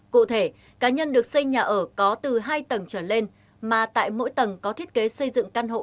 cụ thể cá nhân được xây nhà ở có từ hai tầng trở lên mà tại mỗi tầng có thiết kế xây dựng căn hộ